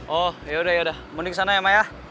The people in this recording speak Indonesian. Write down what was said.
oh yaudah yaudah maudie kesana ya ma ya